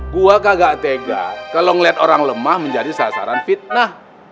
gua kagak tega kalau melihat orang lemah menjadi sasaran fitnah